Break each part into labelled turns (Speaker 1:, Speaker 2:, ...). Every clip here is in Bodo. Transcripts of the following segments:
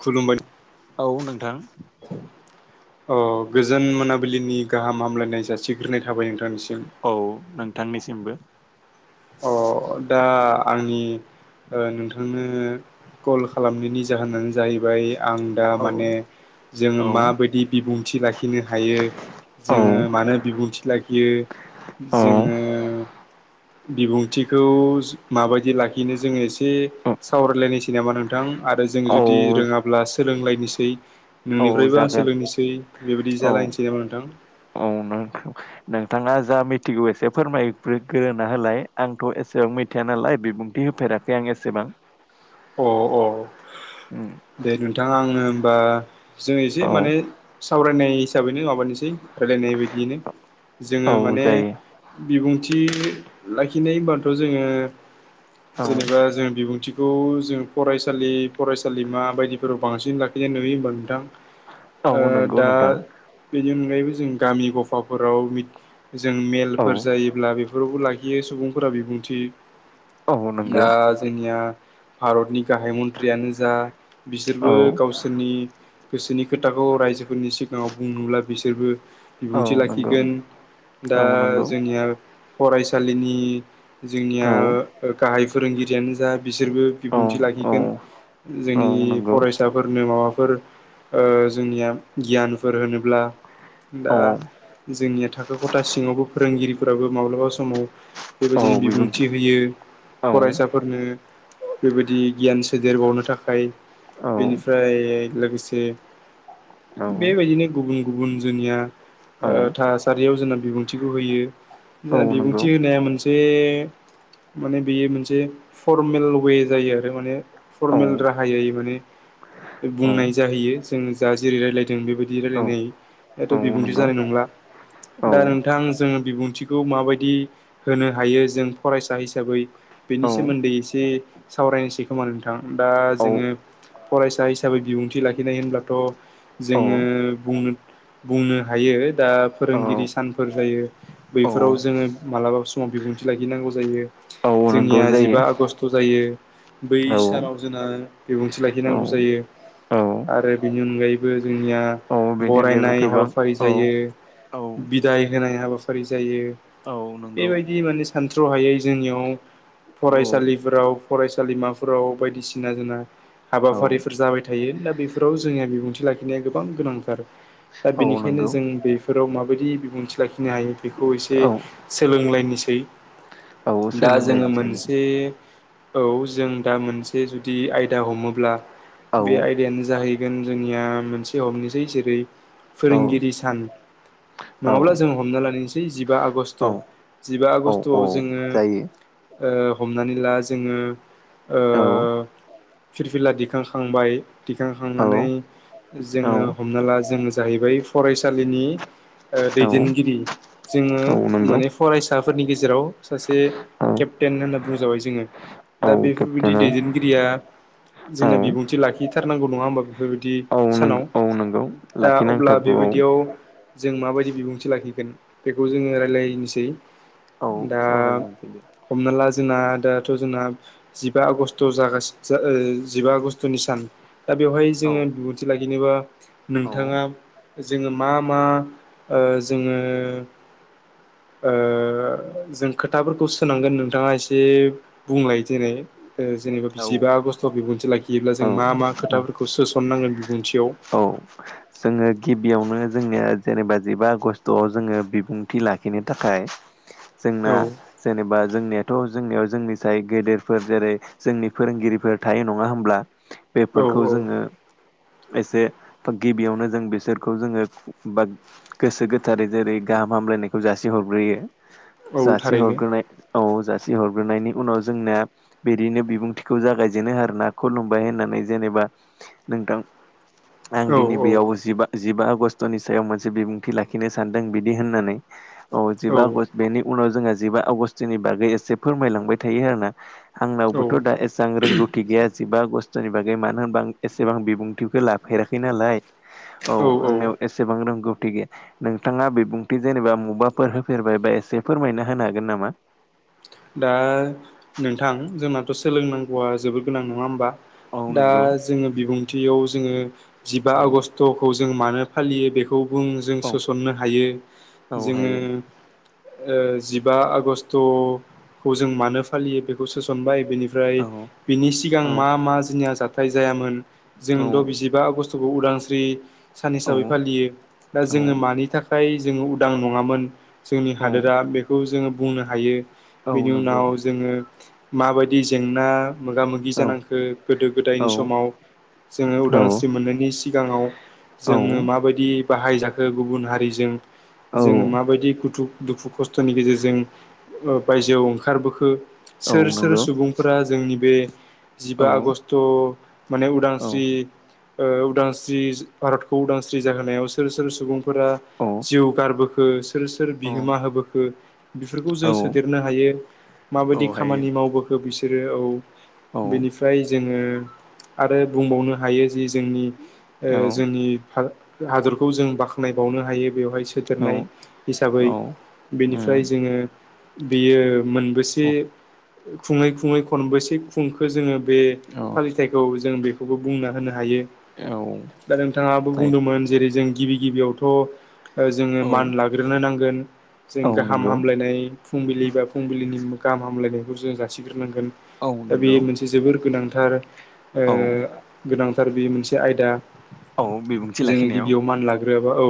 Speaker 1: खुलुमबाय।
Speaker 2: औ नोंथां।
Speaker 1: अ गोजोन मोनाबिलिनि गाहाम हामलायनाय जासिग्रोनाय थाबाय नोंथांनिसि
Speaker 2: औ नोंथांनिसिमबो।
Speaker 1: अ दा आंनि। ओ नोंथांनो कल खालामनायनि जाहोनानो जाहैबाय। आं दा
Speaker 2: औ
Speaker 1: माने।
Speaker 2: औ
Speaker 1: जोङो माबायदि बिबुंथि लाखिनो हायो
Speaker 2: औ
Speaker 1: जोङो मानो बिबुंथि लाखि। बियो
Speaker 2: औ
Speaker 1: जोङो। बिबुंथिखौ माबायदि लाखिनो जोङो एसे सा सावरायलायनोसै नामा नोंथां आरो जों जुदि
Speaker 2: औ
Speaker 1: रोङाब्ला सोलोंलायनोसै
Speaker 2: औ
Speaker 1: नोंनिफ्रायबो आं
Speaker 2: जागोन
Speaker 1: सोलों नोसै बेबायदि
Speaker 2: औ
Speaker 1: जालायनोसै नामा नोंथां?
Speaker 2: नोंथाङा जा मिथिगौ एसे फोरमायग्रोग्रोना होलाय आंथ' एसेबां मिथिया नालाय बेफ बुंथि होफेराखै आं एसेबां।
Speaker 1: अ अ दे नोंथां आंनो होमबा। जों एसे
Speaker 2: औ
Speaker 1: माने सावरायनाय हिसाबैनो माबानिसै। रायलायनाय बायदियैनो जोङो
Speaker 2: औ
Speaker 1: माने
Speaker 2: जायो
Speaker 1: बिबुं। थि लाखिनाय होनबाथ' जोङो
Speaker 2: औ
Speaker 1: जेनेबा जों बिबुंथिखौ। जों फरायसालि फरायसालिमा बायदिफोराव बांसिन लाखिनाय नुयो होमबा नोंथां।
Speaker 2: औ
Speaker 1: ओ
Speaker 2: नंगौ
Speaker 1: दा
Speaker 2: नोंथां
Speaker 1: बि नि अनगायैबो जों गामि गफाफोराव मिथ जों
Speaker 2: औ
Speaker 1: मेलफोर जायोब्ला बेफोरावबो लाखि बे सुबुंफोरा बिबुंथि
Speaker 2: औ नंगौ
Speaker 1: दा जोंनिया। भारतनि गाहाय मन्थ्रियानो जा बिसोरबो
Speaker 2: औ
Speaker 1: गावसोरनि। गोसोनि खोथाखौ रायजोफोरनि सिगाङाव बुंनोब्ला बिसोरबो।
Speaker 2: औ
Speaker 1: बिबुंथि
Speaker 2: नंगौ
Speaker 1: लाखिगोन दा
Speaker 2: औ नंगौ
Speaker 1: जोंनिया फरायसालिनि। जोंनिया
Speaker 2: औ
Speaker 1: ओ गाहाय फोरोंगिरियानो जा बिसोरबो
Speaker 2: औ
Speaker 1: बिबुंथि
Speaker 2: औ
Speaker 1: लाखिगोन।
Speaker 2: औ
Speaker 1: जोंनि
Speaker 2: नंगौ
Speaker 1: फरायसाफोरनो माबाफोर। ओ जोंनिया गियानफोर होनोब्ला। दा
Speaker 2: औ
Speaker 1: जोंनिया थाखो खथा सिङावबो। फोरोंगिरिफोराबो माब्लाबा समाव बेबायदिनो बिबुंथि होयो।
Speaker 2: औ
Speaker 1: फरायसाफोरनो। बेबायदि गियान सोदेरबावनो थाखाय
Speaker 2: औ
Speaker 1: बेनिफ्राय लोगोसे
Speaker 2: औ
Speaker 1: बेबायदिनो गुबुन गुबुन जोंनिया ओ
Speaker 2: औ
Speaker 1: थासारियाव जोंना बिबुंथिखौ होयो
Speaker 2: औ
Speaker 1: जा
Speaker 2: नंगौ
Speaker 1: बिबुंथि होनाया मोनसे माने बेयो मोनसे फरमेल वे जायो आरो माने
Speaker 2: औ
Speaker 1: फर्मेल राहायै माने
Speaker 2: औ
Speaker 1: बुंनाय जाहैयो जों जा जेरै रायलायदों बेबायदि
Speaker 2: औ
Speaker 1: रायलायनाय
Speaker 2: औ
Speaker 1: दाथ बिबुंथि
Speaker 2: नंगौ
Speaker 1: जानाय नंला
Speaker 2: औ
Speaker 1: दा नोंथां जों बिबुंथिखौ माबायदि होनो हायो जों फरायसा हिसाबै
Speaker 2: औ
Speaker 1: बेनि सोमोन्दै एसे सावरायनोसै खोमा नोंथां दा जोङो फरायसा हिसाबै बिबुंथि लाखिनाय होनब्लाथ
Speaker 2: औ
Speaker 1: जोङो बुंनो बुंनो हायो दा फोरोंगिरि सानफोर जायो बैफोराव
Speaker 2: औ
Speaker 1: जोङो मालाबा समाव बिबुं बुंथि लाखिनांगौ जायो
Speaker 2: औ नंगौ
Speaker 1: जोंनिया जिबा
Speaker 2: जायो
Speaker 1: आगष्ट जायो बै
Speaker 2: औ
Speaker 1: सानाव जोंना बिबुंथि
Speaker 2: औ
Speaker 1: लाखिनांगौ जायो
Speaker 2: औ
Speaker 1: आरो बेनि अनगायैबो जोंनिया
Speaker 2: औ बेनि अनगायैबो
Speaker 1: बरायनाय
Speaker 2: गोबां
Speaker 1: हाबाफारि
Speaker 2: औ
Speaker 1: जायो
Speaker 2: औ
Speaker 1: बिदाय होनाय हाबाफारि जायो
Speaker 2: औ नंगौ
Speaker 1: बेबायदि माने सानथ्र' हायै जोंनियाव
Speaker 2: औ
Speaker 1: फरायसालि फोराव फरायसालिमाफोराव बायदिसिना जोंना
Speaker 2: औ
Speaker 1: हाबाफारिफोर जाबाय थायो दा बेफोराव जोङिया बिबुंथि लाखिनाया गोबां गोनांथार दा
Speaker 2: औ
Speaker 1: बेनिखायनो
Speaker 2: नंगौ
Speaker 1: जों बेफोराव माबायदि बिबुंथि लाखिनो हायो बेखौ एसे
Speaker 2: औ
Speaker 1: सोलोंलायनि सो
Speaker 2: औ
Speaker 1: दा जोङो
Speaker 2: सोलोंलायनोसै
Speaker 1: मोनसे औ जों दा मोनसे जुदि आयदा हमोब्ला
Speaker 2: औ
Speaker 1: बे आयदायानो जाहैगोन जोंनिया मोनसे हमनोसै जेरै
Speaker 2: औ
Speaker 1: फोरोंगिरि सान
Speaker 2: औ
Speaker 1: नङाब्ला जों हमना लानायसै जिबा आगष्ट
Speaker 2: औ
Speaker 1: जिबा
Speaker 2: औ
Speaker 1: आगष्ट
Speaker 2: औ
Speaker 1: थ'आव जोङो
Speaker 2: जायो
Speaker 1: ओ हमनानै ला जोङो ओ
Speaker 2: औ
Speaker 1: फिरफिला दिखांखांबाय
Speaker 2: औ
Speaker 1: दिखांखांनानै
Speaker 2: औ
Speaker 1: जोङो हमना ला जोङो जाहैबाय फरायसालिनि ओ
Speaker 2: औ
Speaker 1: दैदेनगिरि जोङो
Speaker 2: औ नंगौ
Speaker 1: माने फरायसाफोरनि गेजेराव सासे
Speaker 2: औ
Speaker 1: केप्टेन होननो बुंजाबाय जोङो
Speaker 2: औ
Speaker 1: दा बेफोरबायदि
Speaker 2: केप्टेन औ
Speaker 1: दैदेनगिरिया जोंना
Speaker 2: औ
Speaker 1: बिबुंथि लाखिथारनांगौ नङा होमबा बेफोरबायदि
Speaker 2: औ नंगौ
Speaker 1: सानाव
Speaker 2: औ नंगौ
Speaker 1: दा अब्ला
Speaker 2: लाखिनांथारगौ
Speaker 1: बेबायदियाव
Speaker 2: औ
Speaker 1: जों माबायदि बिबुंथि लाखिगोन बेखौ जोङो रायलायनोसै
Speaker 2: औ
Speaker 1: दा
Speaker 2: सावरायलायनोसै दे
Speaker 1: हमना ला जोंना दा थ' जोंना जिबा आगष्ट जागासि जा ओ जिबा आगष्ट'नि सान दा बेवहाय
Speaker 2: औ
Speaker 1: जोङो बिबुंथि लाखिनोबा
Speaker 2: औ
Speaker 1: नोंथाङा जोङो मा मा ओ जोङो ओ जों खोथाफोरखौ सोनांगोन नोंथाङा एसे बुंलायो जेरै ओ जेनेबा
Speaker 2: औ
Speaker 1: जिबा आगस्ट बिबुंथि लाखियोब्ला जों मा मा खोथाफोरखौ सोसननां गोन बिबुंथियाव
Speaker 2: [unintelligible] जोङो गिबियावनो जोंनिया जेनेबा जिबा आगष्टआव जोङो बिबुंथि लाखिनो थाखाय जोंना
Speaker 1: औ
Speaker 2: जेनेबा जोंनियाथ' जोंनियाव जोंनि साय गेदेरफोर जेरै जोंनि फोरोंगिरिफोर थायो नङा होमब्ला
Speaker 1: औ
Speaker 2: बेफोरखौ
Speaker 1: औ
Speaker 2: जोङो एसे गिबियावनो जों बिसोरखौ जोङो बा गोसो गोथारै जेरै गाहाम हामलायनायखौ जासि हरग्रोयो
Speaker 1: औ
Speaker 2: जासि
Speaker 1: थारैनो
Speaker 2: हरग्रोनाय औ जा सि हरग्रोनायनि उनाव जोंना बिदिनो बिबुंथिखौ जागायजेनो आरो ना खुलुमबाय होननानै जेनेबा नोंथां आं
Speaker 1: औ
Speaker 2: दिनै बेयाव जिबा जिबा आगष्टनि सायाव मोनसे बिबुंथि लाखिनो सानदों बिदि होननानै औ जिबा आगष्ट बेनि उनाव जोंहा जिबा आगस्टनि बागै एसे फोरमायलांबाय थायो आरो ना
Speaker 1: औ
Speaker 2: आंनावबोथ' दा एसां रोंगौथि गैया जिबा आगस स्तनि बागै मानो होनबा आं एसेबां बिबुंथिखो लाफेराखै नालाय औ आंनियाव एसेबां रोंगौ थि गैया नोंथाङा बिबुंथि जेनेबा मुबाफोर होफेरबाय बा एसे फोरमायना होनो हागोन नामा
Speaker 1: थ' सोंलों नांगौ आ जोबोर गोनां नङा होमबा
Speaker 2: औ
Speaker 1: दा
Speaker 2: नंगौ
Speaker 1: जोङो बिबुंथियाव जोङो जिबा
Speaker 2: औ
Speaker 1: आगष्ट'खौ जों मानो फालियो बेखौ बुं जों
Speaker 2: औ
Speaker 1: सोसननो हायो
Speaker 2: औ
Speaker 1: जोङो
Speaker 2: हायो
Speaker 1: ओ जिबा आगष्ट खौ जों मानो फालियो बेखौ सोसनबाय बेनिफ्राय
Speaker 2: औ
Speaker 1: बिनि सिगां मा
Speaker 2: औ
Speaker 1: मा जिनिया जाथाय जायामोन जों
Speaker 2: औ
Speaker 1: थ' बिजिबा आगष्ट खौ उदांस्रि सान हिसाबै
Speaker 2: औ
Speaker 1: फालियो दा जोङो
Speaker 2: औ
Speaker 1: मानि थाखा खाय जोङो उदां नङामोन जोंनि
Speaker 2: औ
Speaker 1: हादोरा बेखौ जोङो बुंनो हायो।
Speaker 2: औ
Speaker 1: बेनि
Speaker 2: नंगौ
Speaker 1: उनाव जोङो माबायदि जेंना मोगा मोगि
Speaker 2: औ
Speaker 1: जानांखो गोदो
Speaker 2: औ
Speaker 1: गोदायनि समाव जोङो
Speaker 2: औ
Speaker 1: उदांस्रि मोननायनि सिगाङाव जोङो माबायदि बाहायजाखो गुबुन हारिजों
Speaker 2: औ
Speaker 1: जोङो माबायदि गुथु दुखु खस्थ'नि गेजेरजों ओ बायजोआव ओंखारबोखो
Speaker 2: औ
Speaker 1: सोर सोर
Speaker 2: नंगौ
Speaker 1: सुबुंफोरा जोंनि बे
Speaker 2: औ
Speaker 1: जिबा आगष्ट माने
Speaker 2: औ
Speaker 1: उदांस्रि ओ उदांस्रि भारतखौ उदांस्रि जाहोनायाव सोर सोर सुबुंफोरा
Speaker 2: औ
Speaker 1: जिउ गारबो खो सोर सोर
Speaker 2: औ
Speaker 1: बिहोमा होबोखो बेफोरखौ
Speaker 2: औ
Speaker 1: जों सोदेरनो हायो
Speaker 2: औ
Speaker 1: माबायदि
Speaker 2: हायो
Speaker 1: खामानि मावबोखो बिसोरो औ
Speaker 2: औ
Speaker 1: बेनिफ्राय जों ओ आरो बुंबावनो हायो जि जोंनि ओ
Speaker 2: औ
Speaker 1: जोंनि हादरखौ जों बाख्नाय बावनो हायो। बेवहाय
Speaker 2: औ
Speaker 1: सोदेरनाय हिसाबै
Speaker 2: उम
Speaker 1: बेनिफ्राय जोङो बेयो
Speaker 2: औ
Speaker 1: मोनबेसे खुङै खुङै खनबेसे खुंखो जोङो बे
Speaker 2: औ
Speaker 1: फालिथाइखौ जों बेखौबो बुंना होनो हायो
Speaker 2: औ हायो
Speaker 1: दा नोंथाङाबो बुंदोंमोन जेरै जों गिबि गिबियावथ' ओ जोङो
Speaker 2: औ
Speaker 1: मान लाग्रोनो नांगोन जों
Speaker 2: औ
Speaker 1: गाहाम
Speaker 2: नंगौ
Speaker 1: हामलायनाय फुंबिलि बा फुंबिलिनि गाहाम हामलायनायखौ जों जासिग्रोनांगोन
Speaker 2: औ
Speaker 1: दा बे
Speaker 2: नंगौ
Speaker 1: मोनसे जोबोर गोनां थार ओ
Speaker 2: औ
Speaker 1: गोनांथार बे मोनसे आयदा
Speaker 2: औ बिबुंथि
Speaker 1: जों
Speaker 2: लाखिनायाव
Speaker 1: गिबियाव मान लाग ग्रोआबा औ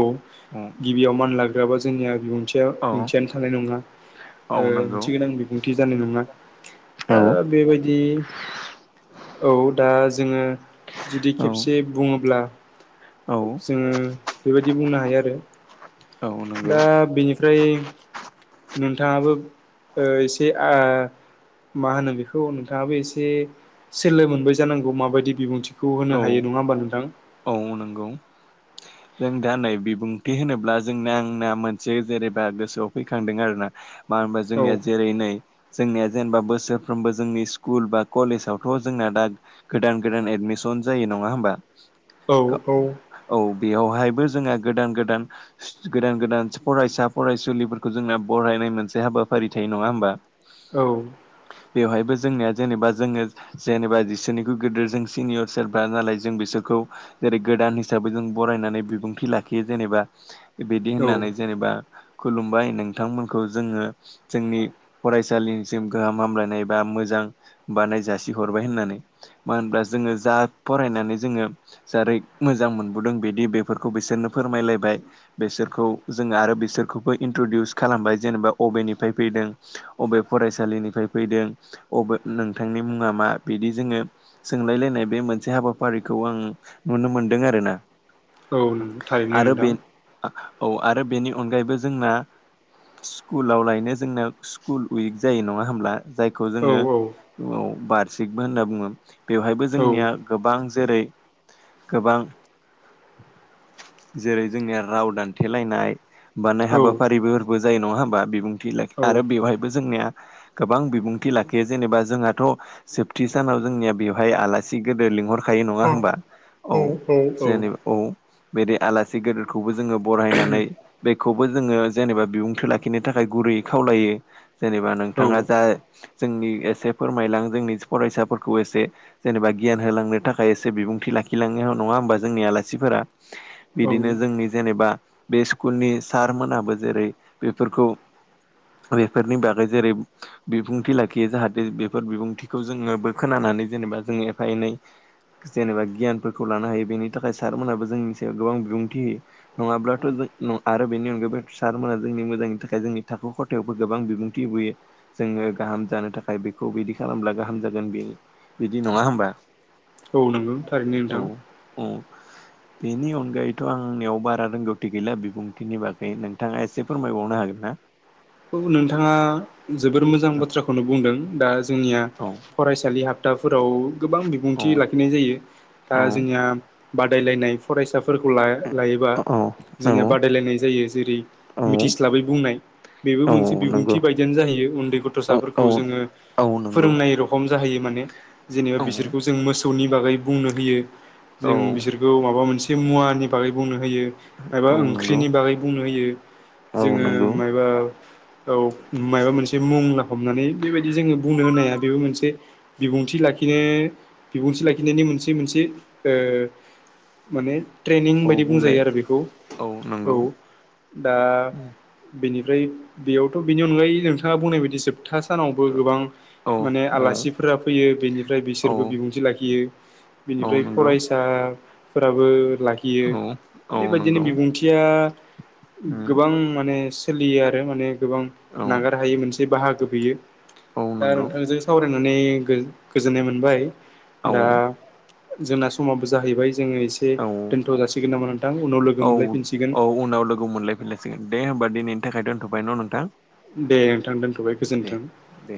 Speaker 2: औ
Speaker 1: गिबियाव मान लाग्रोआबा जोंनिया बिुंथि
Speaker 2: औ
Speaker 1: ओंथियानो थानाय नङा।
Speaker 2: औ
Speaker 1: ओ
Speaker 2: नंगौ
Speaker 1: ओंथि गोनां बिबुंथि जानाय नङा,
Speaker 2: औ
Speaker 1: दा बेबायदि औ दा जोङो जुदि
Speaker 2: औ
Speaker 1: खेबसे बुङोब्ला
Speaker 2: औ
Speaker 1: जोङो बेबायदि बुंनो हायो आरो।
Speaker 2: औ नोंगौ।
Speaker 1: फ्राय नोंथाङाबो ओ एसे आ मा होनो बेखौ नोंथां
Speaker 2: औ
Speaker 1: नङा होमबा नोंथां?
Speaker 2: औ नोंगौ। जों दा नै बिबुंथि होनोब्ला जोंना आंना मोनसे जेनेबा गोसोआव फैखांदों आरोना। मान होनबा
Speaker 1: औ
Speaker 2: जोंनिया जेरै नै जोंनिया जेनेबा बोसोरफ्रोमबो जोंनि स्कुल बा कलेजावथ' जोंना दा गोदान गोदान एदमिस सन जायो नङा होबा?
Speaker 1: औ
Speaker 2: औ। बेहाइबो जोङो गोदान गोदान गोदान गोदान फरायसा फरायसुलिफोरखो जोंना बरायनाय मोनसे हाबाफारि थायो नङा होमबा?
Speaker 1: औ।
Speaker 2: बेवहायबो जोंनिया जेनेबा जोङो जेनेबा इसोरनिख्रुय गिदिर जों सिनियर सोरबा नालाय जों बिसोरखौ जेरै गोदान हिसाबै जों बरायनानै बिबुंथि लाखियो जेनेबा बिदि
Speaker 1: औ
Speaker 2: होननानै जेनेबा खुलुमबाय नोंथांमोनखौ जोङो जोंनि फरायसालिनिसिम गाहाम हामलायनाय बा मोजां [unintelligible] बाउनाय जासि हरबाय होननानै मानो होनब्ला जोङो जा फरायनानै जोङो रों बेखौ मोजांमोन। [unintelligible] बिदि बेफोरखौ बिसोरनो फोरमायलायबाय, बिसोरखौ जोङो आरो बिसोरखौबो इन्ट्रडउस खालाम जेनेबा अबेनिफ्राय फैदों, अबे फरायसालिनिफ्राय फैदों, अबे नोंथांनि मुं ङा मा? बिदि जोङो सोंलायलायनाय बे मोनसे हाबाफारिखौ आं नुनो मोनदों आरोना।
Speaker 1: औ नों थारैनो
Speaker 2: आरो बे
Speaker 1: नोंथां।
Speaker 2: औ आरो बेनि अनगायैबो जोंना स्कुलाव लायनो जोंना स्कुल उइक जायो नङा होमब्ला? जायखौ
Speaker 1: औ
Speaker 2: जोङो
Speaker 1: औ
Speaker 2: ओ बारसिकबो होनना बुङो। बेवहायबो
Speaker 1: औ
Speaker 2: जोंनिया गोबां जेरै गोबां जेरै जोंनिया राव दान्थेलायनाय बानाय
Speaker 1: औ
Speaker 2: हाबाफारिफोरफोरबो जायो नङा होमबा बिबुंथि लाखि
Speaker 1: औ
Speaker 2: आरो बेवहायबो जोंनिया गोबां बिबुंथि लाखियो जेनेबा जोंहाथ' जोबथि सानाव जोंनिया बेवहाय आलासि गोदोर लिंहर खायो नङा होमबा औ जेनेब औ बिदि आलासि गेदेरखौबो जो जोङो बरायनानै बेखौबो जोङो जेनेबा बिबुंथि लाखिनो थाखाय गुरैयै खावलायो जेनेबा
Speaker 1: औ औ
Speaker 2: नोंथाङा जा जोंनि एसे फोरमायलां जोंनि फरायसाफोरखौ एसे जेनेबा गियान होलांनो थाखाय एसे बिबुंथि लाखिलांनाय नङा होमबा जोंनि आलासिफोरा
Speaker 1: औ
Speaker 2: बिदिनो जोंनि जेनेबा बे स्कुलनि सारमोनाबो जेरै बेफोरखौ बेफोरनि बागै जेरै बिबुंथि लाखियो जाहाथे बेफोर बिबुंथिखौ जोङोबो खोनानानै नानानै जेनेबा जों एफा एनै जेनेबा गियानफोर खौ हायो बेनि थाखाय सारमोनाबो जोंनि सायाव गोबां बिबुंथि होयो नङाब्लाथ' जो आरो बेनि अनगायबो सारमोनहा जोंनि मोजांनि थाखाय जोंनि थाखो खथायावबो गोबां बिबुंथि होबोयो जोङो गाहाम जानो थाखाय बेखौ बिदि खालामब्ला गाहाम जागोन बे बिदि नङा होमबा औ
Speaker 1: थां
Speaker 2: औ बेनि अनगायैथ' आंनियाव बारा रोंगौथि गैला बिबुंथिनि बागै नोंथाङा एसे फोरमायबावनो हागोन ना
Speaker 1: औ नोंथाङा जोबोर मोजां बाथ्राखौनो बुंदों दा जोंनिया
Speaker 2: औ
Speaker 1: फरायसालि हाब बाफोराव गोबां
Speaker 2: औ
Speaker 1: बिबुंथि लाखिनाय जायो दा जोंनिया बादायलायनाय फरायसाफोरखौ लाय लायोबा
Speaker 2: औ
Speaker 1: जोंनिया बादायलायनाय जायो जेरै
Speaker 2: औ
Speaker 1: मिथिस्लाबै बुंनाय बेबो
Speaker 2: औ
Speaker 1: मोनसे बिबुंथि
Speaker 2: नंगौ
Speaker 1: बायदियानो जाहैयो उन्दै
Speaker 2: औ औ
Speaker 1: गथ'साफोरखौ जोङो
Speaker 2: औ नंगौ
Speaker 1: फोरोंनाय रखम जाहैयो माने जेनेबा
Speaker 2: औ
Speaker 1: बिसोरखौ जों मोसौनि बागै बुंनो होयो
Speaker 2: औ
Speaker 1: जों बिसोरखौ माबा मोनसे मुवानि बागै बुंनो होयो एबा
Speaker 2: औ नंगौ
Speaker 1: ओंख्रिनि बागै बुंनो होयो
Speaker 2: औ
Speaker 1: जोङो
Speaker 2: नंगौ
Speaker 1: माय बा औ माबा मोनसे मुं ला हमनानै बेबायदि जोङो बुंनो होनाया बेबो मोनसे बिबुंथि लाखिनो बिबुंथि लाखिनायनि मोनसे मोनसे ओ माने ट्रेनिं
Speaker 2: औ
Speaker 1: बायदि बुंजायो
Speaker 2: बुंलाय
Speaker 1: आरो बेखौ औ दा बेनिफ्राय बेयावथ' बेनि अनगायै नोंथाङा बुंनाय बायदि जोबथा सानावबो गोबां
Speaker 2: औ
Speaker 1: माने आलासिफोरा फैयो बेनिफ्राय
Speaker 2: औ
Speaker 1: बिसोरबो बिबुंथि लाखियो
Speaker 2: औ
Speaker 1: बेनिफ्राय
Speaker 2: नंगौ
Speaker 1: फरायसाफोराबो लाखियो
Speaker 2: औ औ
Speaker 1: बेबायदिनो
Speaker 2: नंगौ
Speaker 1: बिबुंथिया
Speaker 2: औ
Speaker 1: गोबां माने सोलियो आरो माने गोबां नागार हायि मोनसे बाहागो बियो
Speaker 2: औ
Speaker 1: दा
Speaker 2: नंगौ
Speaker 1: नोंथांजों सावरायनानै गो-गोजोननाय मोनबाय
Speaker 2: औ
Speaker 1: दा जोंना समाबो जाहैबाय जो एसे
Speaker 2: औ
Speaker 1: दोनथ'जासिगोन नामा नोंथां उनाव लोगो
Speaker 2: औ
Speaker 1: मोनलायफिनसिगोन
Speaker 2: उनाव लोगो मोनलायफिनलायसिगोन दे होमबा दिनैनि थाखाय दोनथ'बाय न' नोंथां
Speaker 1: दे नोंथां दोनथ'बाय
Speaker 2: दे
Speaker 1: गोजोनथों
Speaker 2: दे